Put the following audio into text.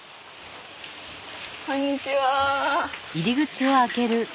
こんにちは。